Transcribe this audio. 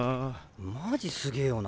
マジすげぇよな。